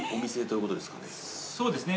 そうですね